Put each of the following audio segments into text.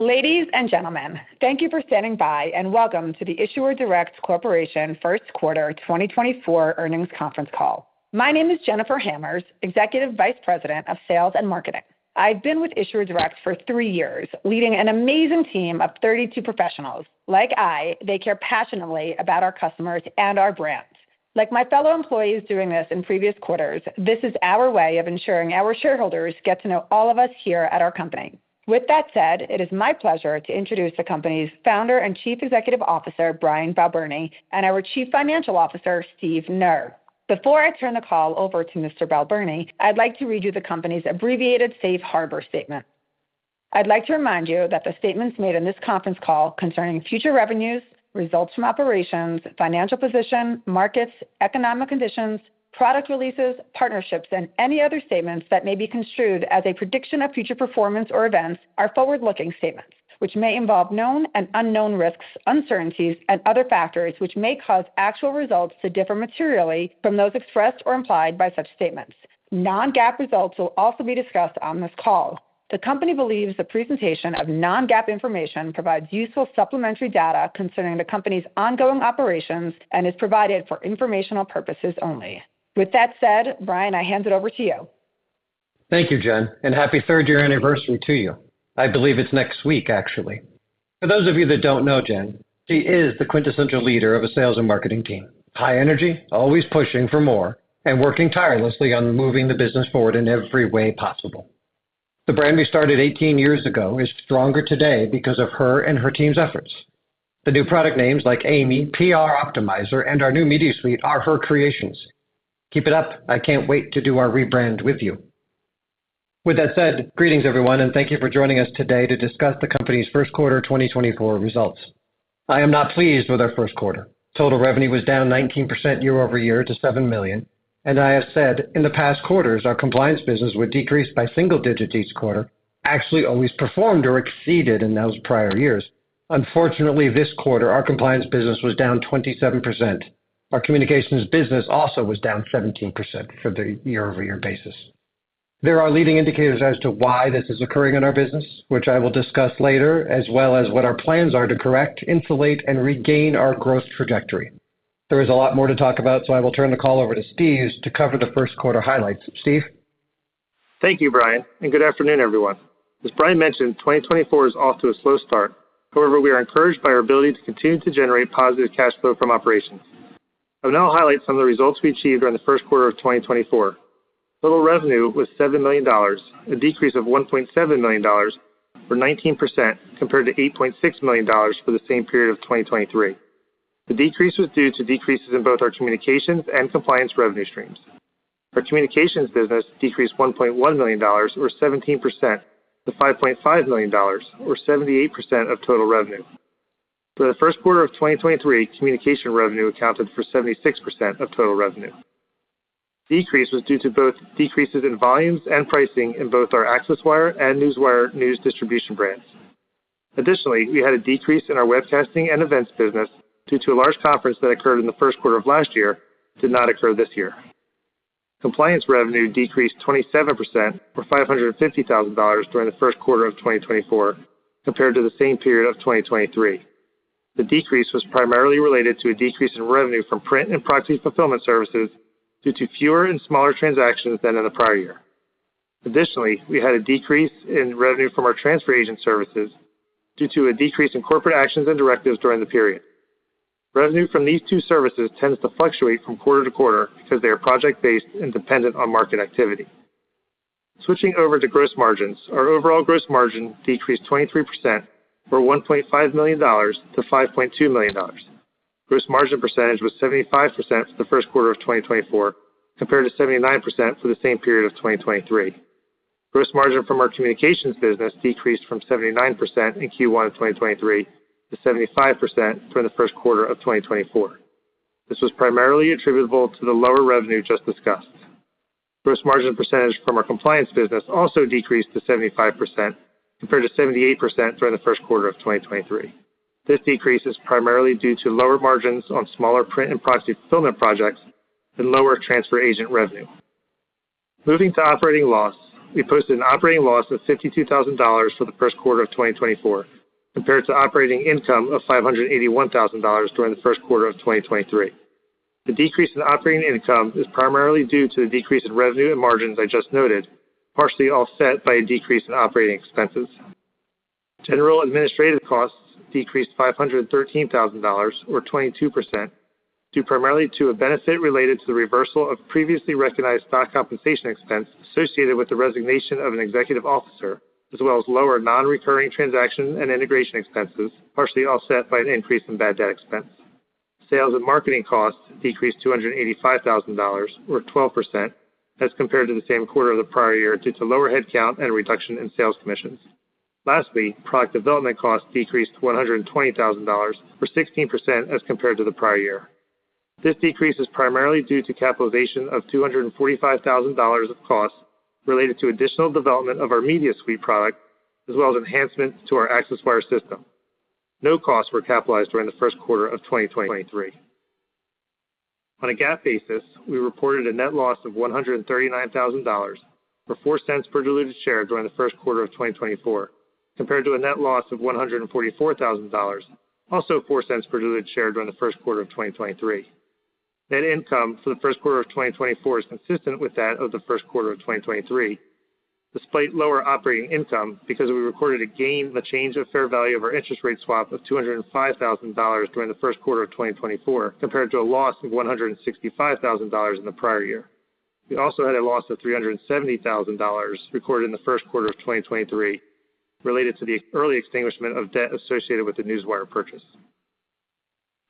Ladies and gentlemen, thank you for standing by and welcome to the Issuer Direct Corporation First Quarter 2024 Earnings Conference Call. My name is Jennifer Hammers, Executive Vice President of Sales and Marketing. I've been with Issuer Direct for three years, leading an amazing team of 32 professionals. Like I, they care passionately about our customers and our brand. Like my fellow employees doing this in previous quarters, this is our way of ensuring our shareholders get to know all of us here at our company. With that said, it is my pleasure to introduce the company's Founder and Chief Executive Officer Brian Balbirnie and our Chief Financial Officer Steve Knerr. Before I turn the call over to Mr. Balbirnie, I'd like to read you the company's abbreviated Safe Harbor Statement. I'd like to remind you that the statements made in this conference call concerning future revenues, results from operations, financial position, markets, economic conditions, product releases, partnerships, and any other statements that may be construed as a prediction of future performance or events are forward-looking statements, which may involve known and unknown risks, uncertainties, and other factors which may cause actual results to differ materially from those expressed or implied by such statements. Non-GAAP results will also be discussed on this call. The company believes the presentation of non-GAAP information provides useful supplementary data concerning the company's ongoing operations and is provided for informational purposes only. With that said, Brian, I hand it over to you. Thank you, Jen, and happy third-year anniversary to you. I believe it's next week, actually. For those of you that don't know Jen, she is the quintessential leader of a sales and marketing team, high energy, always pushing for more, and working tirelessly on moving the business forward in every way possible. The brand we started 18 years ago is stronger today because of her and her team's efforts. The new product names like Amy, PR Optimizer, and our new Media Suite are her creations. Keep it up, I can't wait to do our rebrand with you. With that said, greetings everyone, and thank you for joining us today to discuss the company's First Quarter 2024 results. I am not pleased with our first quarter. Total revenue was down 19% year-over-year to $7 million, and I have said in the past quarters our compliance business would decrease by single digits each quarter, actually always performed or exceeded in those prior years. Unfortunately, this quarter our compliance business was down 27%. Our communications business also was down 17% for the year-over-year basis. There are leading indicators as to why this is occurring in our business, which I will discuss later, as well as what our plans are to correct, insulate, and regain our growth trajectory. There is a lot more to talk about, so I will turn the call over to Steve to cover the first quarter highlights. Steve? Thank you, Brian, and good afternoon everyone. As Brian mentioned, 2024 is off to a slow start. However, we are encouraged by our ability to continue to generate positive cash flow from operations. I will now highlight some of the results we achieved during the first quarter of 2024. Total revenue was $7 million, a decrease of $1.7 million or 19% compared to $8.6 million for the same period of 2023. The decrease was due to decreases in both our communications and compliance revenue streams. Our communications business decreased $1.1 million or 17%-$5.5 million or 78% of total revenue. For the first quarter of 2023, communications revenue accounted for 76% of total revenue. The decrease was due to both decreases in volumes and pricing in both our ACCESSWIRE and Newswire news distribution brands. Additionally, we had a decrease in our webcasting and events business due to a large conference that occurred in the first quarter of last year did not occur this year. Compliance revenue decreased 27% or $550,000 during the first quarter of 2024 compared to the same period of 2023. The decrease was primarily related to a decrease in revenue from print and proxy fulfillment services due to fewer and smaller transactions than in the prior year. Additionally, we had a decrease in revenue from our transfer agent services due to a decrease in corporate actions and directives during the period. Revenue from these two services tends to fluctuate from quarter to quarter because they are project-based and dependent on market activity. Switching over to gross margins, our overall gross margin decreased 23% or $1.5-$5.2 million. Gross margin percentage was 75% for the first quarter of 2024 compared to 79% for the same period of 2023. Gross margin from our communications business decreased from 79% in Q1 of 2023 to 75% during the first quarter of 2024. This was primarily attributable to the lower revenue just discussed. Gross margin percentage from our compliance business also decreased to 75% compared to 78% during the first quarter of 2023. This decrease is primarily due to lower margins on smaller print and proxy fulfillment projects and lower transfer agent revenue. Moving to operating loss, we posted an operating loss of $52,000 for the first quarter of 2024 compared to operating income of $581,000 during the first quarter of 2023. The decrease in operating income is primarily due to the decrease in revenue and margins I just noted, partially offset by a decrease in operating expenses. General administrative costs decreased $513,000 or 22% due primarily to a benefit related to the reversal of previously recognized stock compensation expense associated with the resignation of an executive officer, as well as lower non-recurring transaction and integration expenses, partially offset by an increase in bad debt expense. Sales and marketing costs decreased $285,000 or 12% as compared to the same quarter of the prior year due to lower headcount and reduction in sales commissions. Lastly, product development costs decreased $120,000 or 16% as compared to the prior year. This decrease is primarily due to capitalization of $245,000 of costs related to additional development of our Media Suite product, as well as enhancements to our ACCESSWIRE system. No costs were capitalized during the first quarter of 2023. On a GAAP basis, we reported a net loss of $139,000 or $0.04 per diluted share during the first quarter of 2024 compared to a net loss of $144,000, also $0.04 per diluted share during the first quarter of 2023. Net income for the first quarter of 2024 is consistent with that of the first quarter of 2023, despite lower operating income because we recorded a gain in the change of fair value of our interest rate swap of $205,000 during the first quarter of 2024 compared to a loss of $165,000 in the prior year. We also had a loss of $370,000 recorded in the first quarter of 2023 related to the early extinguishment of debt associated with the Newswire purchase.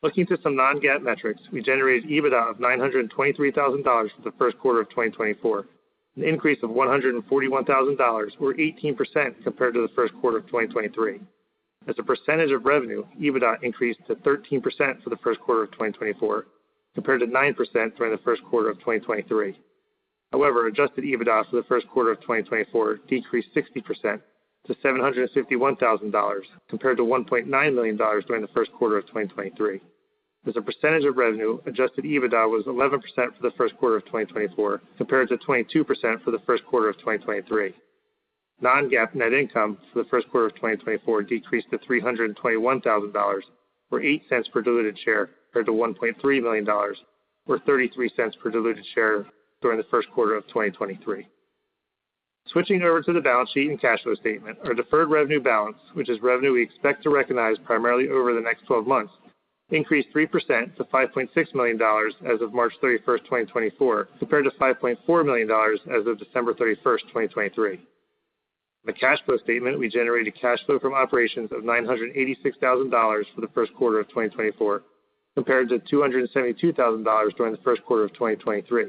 Looking to some non-GAAP metrics, we generated EBITDA of $923,000 for the first quarter of 2024, an increase of $141,000 or 18% compared to the first quarter of 2023. As a percentage of revenue, EBITDA increased to 13% for the first quarter of 2024 compared to 9% during the first quarter of 2023. However, adjusted EBITDA for the first quarter of 2024 decreased 60% to $751,000 compared to $1.9 million during the first quarter of 2023. As a percentage of revenue, adjusted EBITDA was 11% for the first quarter of 2024 compared to 22% for the first quarter of 2023. Non-GAAP net income for the first quarter of 2024 decreased to $321,000 or $0.08 per diluted share compared to $1.3 million or $0.33 per diluted share during the first quarter of 2023. Switching over to the balance sheet and cash flow statement, our deferred revenue balance, which is revenue we expect to recognize primarily over the next 12 months, increased 3% to $5.6 million as of March 31, 2024 compared to $5.4 million as of December 31, 2023. On the cash flow statement, we generated cash flow from operations of $986,000 for the first quarter of 2024 compared to $272,000 during the first quarter of 2023.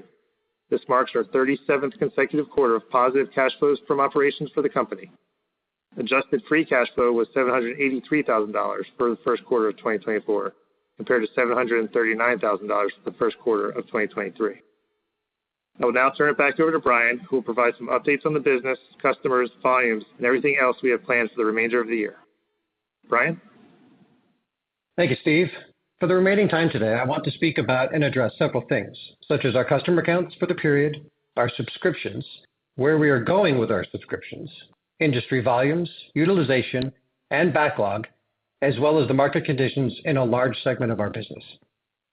This marks our 37th consecutive quarter of positive cash flows from operations for the company. Adjusted free cash flow was $783,000 for the first quarter of 2024 compared to $739,000 for the first quarter of 2023. I will now turn it back over to Brian, who will provide some updates on the business, customers, volumes, and everything else we have planned for the remainder of the year. Brian? Thank you, Steve. For the remaining time today, I want to speak about and address several things, such as our customer accounts for the period, our subscriptions, where we are going with our subscriptions, industry volumes, utilization, and backlog, as well as the market conditions in a large segment of our business.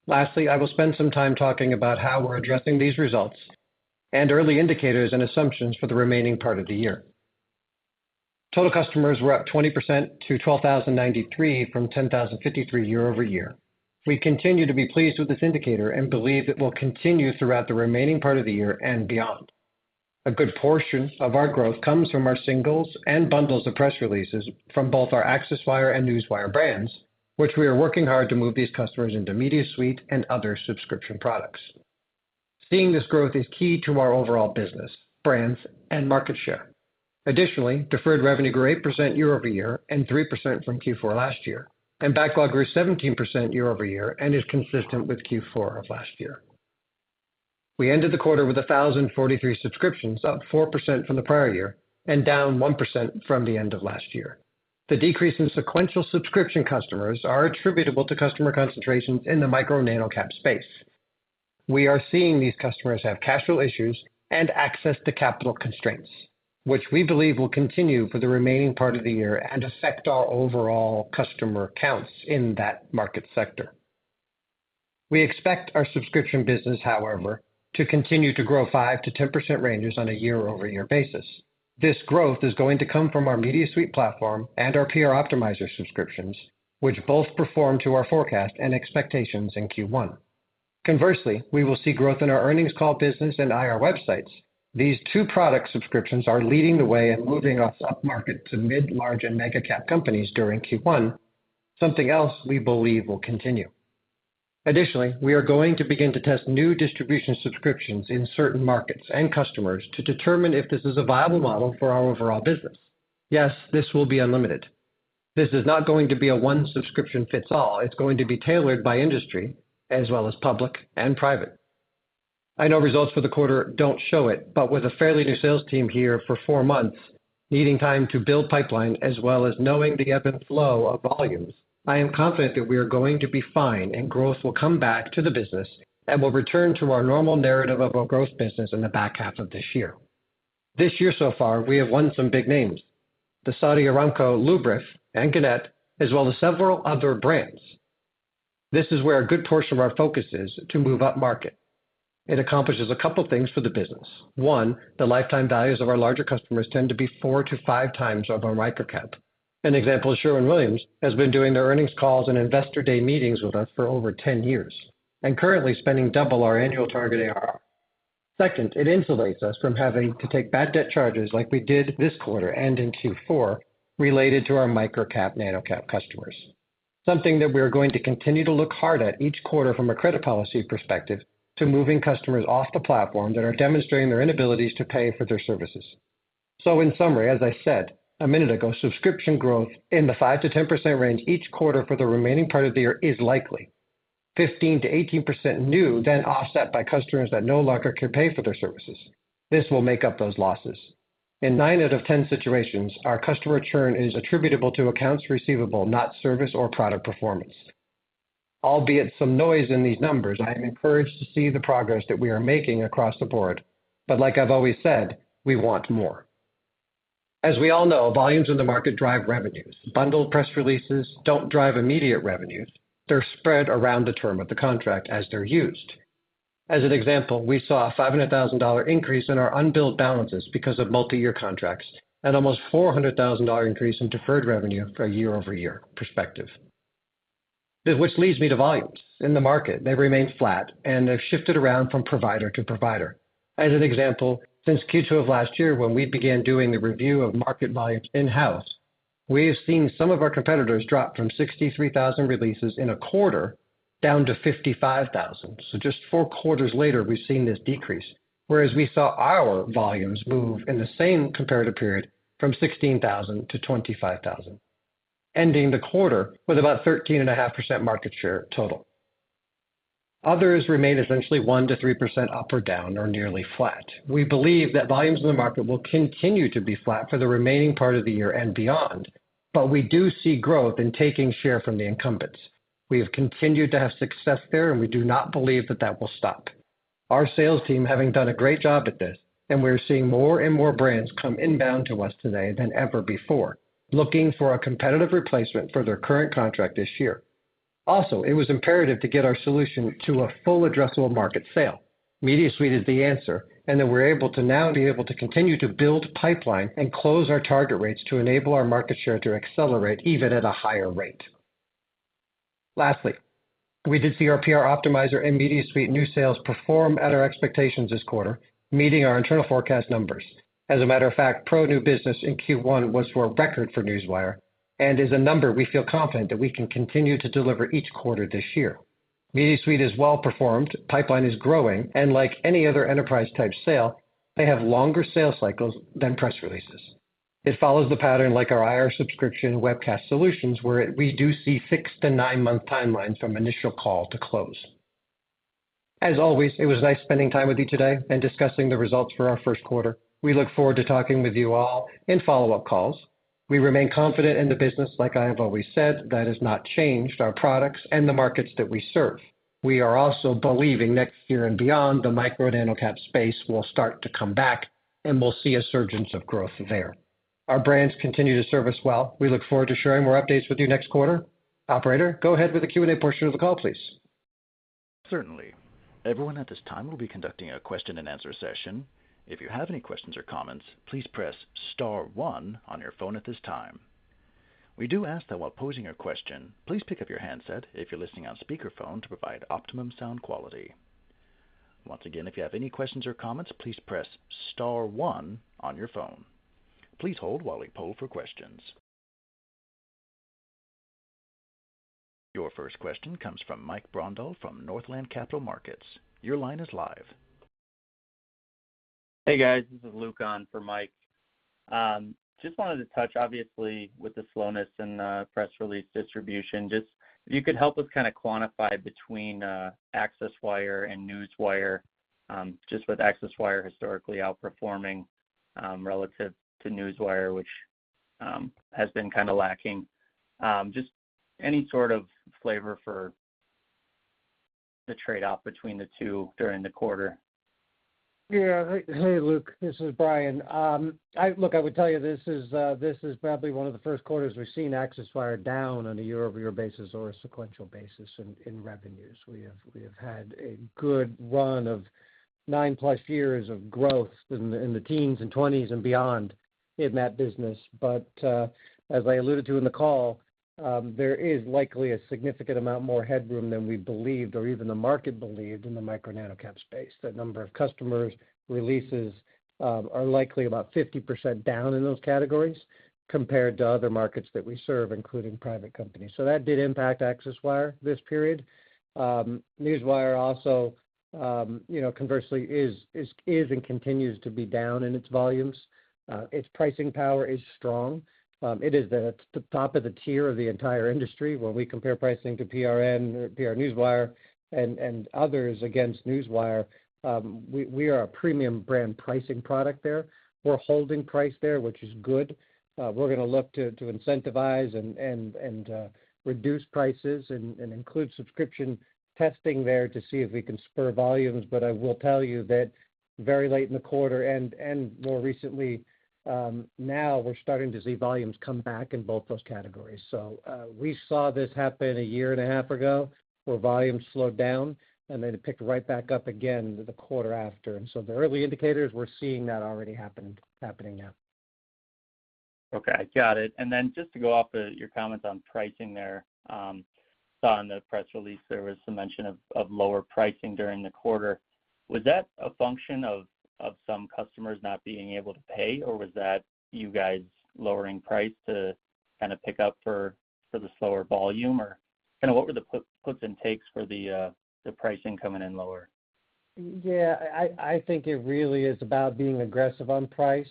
Lastly, I will spend some time talking about how we're addressing these results and early indicators and assumptions for the remaining part of the year. Total customers were up 20% to 12,093 from 10,053 year-over-year. We continue to be pleased with this indicator and believe it will continue throughout the remaining part of the year and beyond. A good portion of our growth comes from our singles and bundles of press releases from both our ACCESSWIRE and Newswire brands, which we are working hard to move these customers into Media Suite and other subscription products. Seeing this growth is key to our overall business, brands, and market share. Additionally, deferred revenue grew 8% year-over-year and 3% from Q4 last year, and backlog grew 17% year-over-year and is consistent with Q4 of last year. We ended the quarter with 1,043 subscriptions, up 4% from the prior year and down 1% from the end of last year. The decrease in sequential subscription customers is attributable to customer concentrations in the micro-nano cap space. We are seeing these customers have cash flow issues and access to capital constraints, which we believe will continue for the remaining part of the year and affect our overall customer counts in that market sector. We expect our subscription business, however, to continue to grow 5%-10% ranges on a year-over-year basis. This growth is going to come from our Media Suite platform and our PR Optimizer subscriptions, which both perform to our forecast and expectations in Q1. Conversely, we will see growth in our earnings call business and IR websites. These two product subscriptions are leading the way and moving us up market to mid-cap, large-cap, and mega-cap companies during Q1, something else we believe will continue. Additionally, we are going to begin to test new distribution subscriptions in certain markets and customers to determine if this is a viable model for our overall business. Yes, this will be unlimited. This is not going to be a one-size-fits-all. It's going to be tailored by industry, as well as public and private. I know results for the quarter don't show it, but with a fairly new sales team here for 4 months, needing time to build pipeline, as well as knowing the ebb and flow of volumes, I am confident that we are going to be fine and growth will come back to the business and will return to our normal narrative of a growth business in the back half of this year. This year so far, we have won some big names: the Saudi Aramco Luberef and Gannett, as well as several other brands. This is where a good portion of our focus is to move up market. It accomplishes a couple of things for the business. One, the lifetime values of our larger customers tend to be 4x-5x of our micro cap. An example is Sherwin-Williams, who has been doing their earnings calls and investor day meetings with us for over 10 years and currently spending double our annual target ARR. Second, it insulates us from having to take bad debt charges like we did this quarter and in Q4 related to our micro cap, nano cap customers, something that we are going to continue to look hard at each quarter from a credit policy perspective to moving customers off the platform that are demonstrating their inabilities to pay for their services. So in summary, as I said a minute ago, subscription growth in the 5%-10% range each quarter for the remaining part of the year is likely. 15%-18% new, then offset by customers that no longer can pay for their services. This will make up those losses. In nine out of 10 situations, our customer churn is attributable to accounts receivable, not service or product performance. Albeit some noise in these numbers, I am encouraged to see the progress that we are making across the board. But like I've always said, we want more. As we all know, volumes in the market drive revenues. Bundled press releases don't drive immediate revenues. They're spread around the term of the contract as they're used. As an example, we saw a $500,000 increase in our unbilled balances because of multi-year contracts and almost a $400,000 increase in deferred revenue for a year-over-year perspective, which leads me to volumes in the market. They remain flat and have shifted around from provider to provider. As an example, since Q2 of last year, when we began doing the review of market volumes in-house, we have seen some of our competitors drop from 63,000 releases in a quarter down to 55,000. So just four quarters later, we've seen this decrease, whereas we saw our volumes move in the same comparative period from 16,000-25,000, ending the quarter with about 13.5% market share total. Others remain essentially 1%-3% up or down or nearly flat. We believe that volumes in the market will continue to be flat for the remaining part of the year and beyond, but we do see growth in taking share from the incumbents. We have continued to have success there, and we do not believe that that will stop. Our sales team has done a great job at this, and we're seeing more and more brands come inbound to us today than ever before, looking for a competitive replacement for their current contract this year. Also, it was imperative to get our solution to a full addressable market sale. Media Suite is the answer, and then we're able to now be able to continue to build pipeline and close our target rates to enable our market share to accelerate even at a higher rate. Lastly, we did see our PR Optimizer and Media Suite new sales perform at our expectations this quarter, meeting our internal forecast numbers. As a matter of fact, pro new business in Q1 was for a record for Newswire and is a number we feel confident that we can continue to deliver each quarter this year. Media Suite is well performed, pipeline is growing, and like any other enterprise type sale, they have longer sales cycles than press releases. It follows the pattern like our IR subscription webcast solutions, where we do see 6-9 month timelines from initial call to close. As always, it was nice spending time with you today and discussing the results for our first quarter. We look forward to talking with you all in follow-up calls. We remain confident in the business, like I have always said. That has not changed our products and the markets that we serve. We are also believing next year and beyond the micro-nano cap space will start to come back, and we'll see a surge of growth there. Our brands continue to serve us well. We look forward to sharing more updates with you next quarter. Operator, go ahead with the Q&A portion of the call, please. Certainly. Everyone at this time will be conducting a question and answer session. If you have any questions or comments, please press star one on your phone at this time. We do ask that while posing your question, please pick up your handset if you're listening on speakerphone to provide optimum sound quality. Once again, if you have any questions or comments, please press star one on your phone. Please hold while we poll for questions. Your first question comes from Mike Grondahl from Northland Capital Markets. Your line is live. Hey, guys. This is Luke on for Mike. Just wanted to touch, obviously, with the slowness in press release distribution. Just if you could help us kind of quantify between ACCESSWIRE and Newswire, just with ACCESSWIRE historically outperforming relative to Newswire, which has been kind of lacking, just any sort of flavor for the trade-off between the two during the quarter? Yeah. Hey, Luke. This is Brian. Look, I would tell you this is probably one of the first quarters we've seen ACCESSWIRE down on a year-over-year basis or a sequential basis in revenues. We have had a good run of 9+ years of growth in the teens and twenties and beyond in that business. But as I alluded to in the call, there is likely a significant amount more headroom than we believed or even the market believed in the micro-nano cap space. The number of customers releases are likely about 50% down in those categories compared to other markets that we serve, including private companies. So that did impact ACCESSWIRE this period. NEWSWIRE also, conversely, is and continues to be down in its volumes. Its pricing power is strong. It is the top of the tier of the entire industry. When we compare pricing to PRN, PR Newswire, and others against Newswire, we are a premium brand pricing product there. We're holding price there, which is good. We're going to look to incentivize and reduce prices and include subscription testing there to see if we can spur volumes. But I will tell you that very late in the quarter and more recently now, we're starting to see volumes come back in both those categories. So we saw this happen a year and a half ago where volumes slowed down, and then it picked right back up again the quarter after. And so the early indicators, we're seeing that already happening now. Okay. Got it. And then just to go off of your comments on pricing there, I saw in the press release there was some mention of lower pricing during the quarter. Was that a function of some customers not being able to pay, or was that you guys lowering price to kind of pick up for the slower volume? Or kind of what were the puts and takes for the pricing coming in lower? Yeah. I think it really is about being aggressive on price,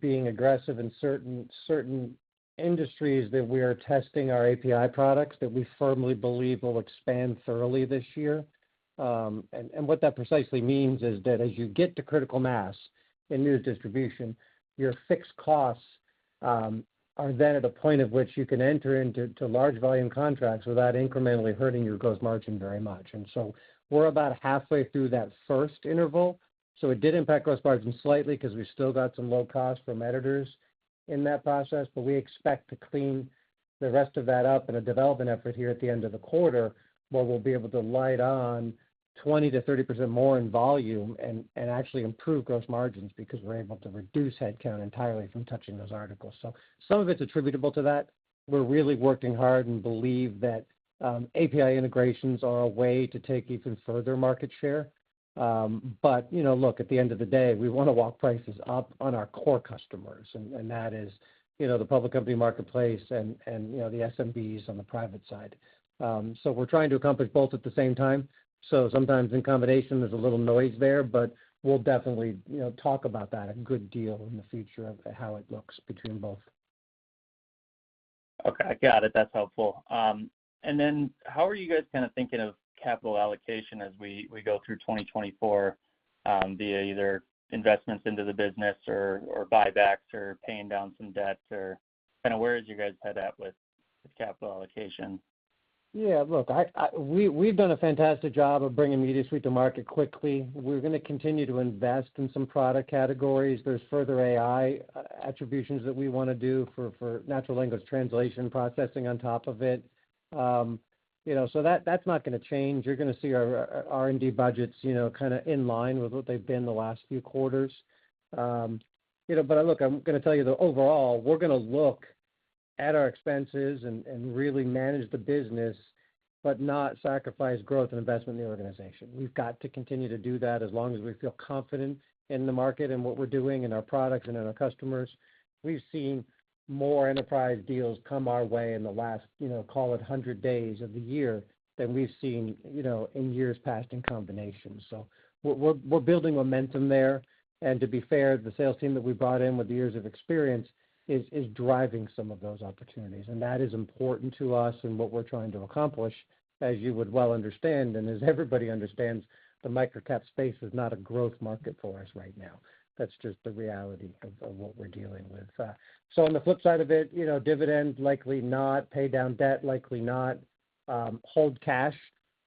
being aggressive in certain industries that we are testing our API products that we firmly believe will expand thoroughly this year. And what that precisely means is that as you get to critical mass in news distribution, your fixed costs are then at a point at which you can enter into large volume contracts without incrementally hurting your gross margin very much. And so we're about halfway through that first interval. So it did impact gross margin slightly because we still got some low costs from editors in that process. But we expect to clean the rest of that up in a development effort here at the end of the quarter where we'll be able to light on 20%-30% more in volume and actually improve gross margins because we're able to reduce headcount entirely from touching those articles. So some of it's attributable to that. We're really working hard and believe that API integrations are a way to take even further market share. But look, at the end of the day, we want to walk prices up on our core customers, and that is the public company marketplace and the SMBs on the private side. So we're trying to accomplish both at the same time. So sometimes in combination, there's a little noise there, but we'll definitely talk about that a good deal in the future of how it looks between both. Okay. Got it. That's helpful. And then how are you guys kind of thinking of capital allocation as we go through 2024 via either investments into the business or buybacks or paying down some debt? Or kind of where is your guys' head at with capital allocation? Yeah. Look, we've done a fantastic job of bringing Media Suite to market quickly. We're going to continue to invest in some product categories. There's further AI attributions that we want to do for natural language translation processing on top of it. So that's not going to change. You're going to see our R&D budgets kind of in line with what they've been the last few quarters. But look, I'm going to tell you that overall, we're going to look at our expenses and really manage the business, but not sacrifice growth and investment in the organization. We've got to continue to do that as long as we feel confident in the market and what we're doing and our products and in our customers. We've seen more enterprise deals come our way in the last, call it, 100 days of the year than we've seen in years past in combination. So we're building momentum there. And to be fair, the sales team that we brought in with the years of experience is driving some of those opportunities. And that is important to us and what we're trying to accomplish, as you would well understand and as everybody understands, the micro cap space is not a growth market for us right now. That's just the reality of what we're dealing with. So on the flip side of it, dividend likely not, pay down debt likely not, hold cash,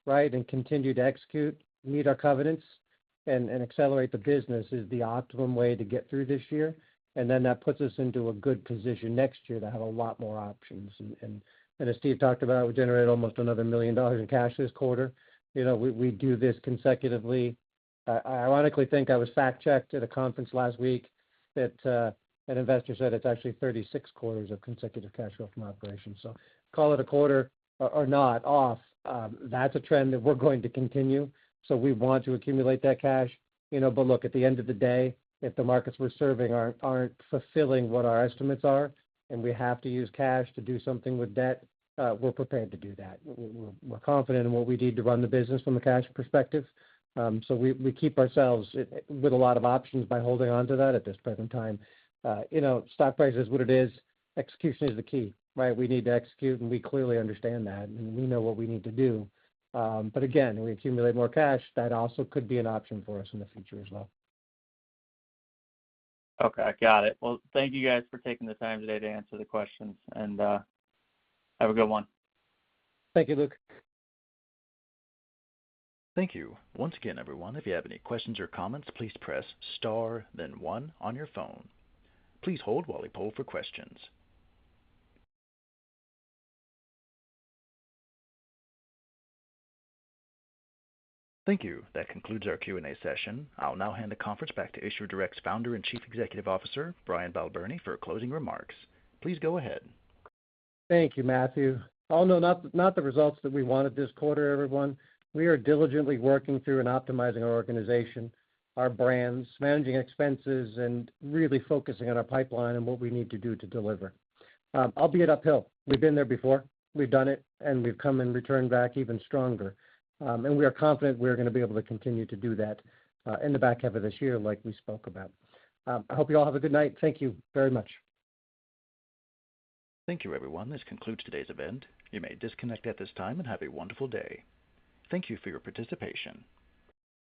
right, and continue to execute, meet our covenants, and accelerate the business is the optimum way to get through this year. And then that puts us into a good position next year to have a lot more options. And as Steve talked about, we generated almost another $1 million in cash this quarter. We do this consecutively. I ironically think I was fact-checked at a conference last week that an investor said it's actually 36 quarters of consecutive cash flow from operations. So call it a quarter or not off, that's a trend that we're going to continue. So we want to accumulate that cash. But look, at the end of the day, if the markets we're serving aren't fulfilling what our estimates are and we have to use cash to do something with debt, we're prepared to do that. We're confident in what we need to run the business from a cash perspective. So we keep ourselves with a lot of options by holding onto that at this present time. Stock price is what it is. Execution is the key, right? We need to execute, and we clearly understand that, and we know what we need to do. But again, we accumulate more cash. That also could be an option for us in the future as well. Okay. Got it. Well, thank you guys for taking the time today to answer the questions. And have a good one. Thank you, Luke. Thank you. Once again, everyone, if you have any questions or comments, please press star, then one on your phone. Please hold while we poll for questions. Thank you. That concludes our Q&A session. I'll now hand the conference back to Issuer Direct's Founder and Chief Executive Officer, Brian Balbirnie, for closing remarks. Please go ahead. Thank you, Matthew. Oh, no, not the results that we wanted this quarter, everyone. We are diligently working through and optimizing our organization, our brands, managing expenses, and really focusing on our pipeline and what we need to do to deliver. It'll be uphill. We've been there before. We've done it, and we've come and returned back even stronger. We are confident we're going to be able to continue to do that in the back half of this year, like we spoke about. I hope you all have a good night. Thank you very much. Thank you, everyone. This concludes today's event. You may disconnect at this time and have a wonderful day. Thank you for your participation.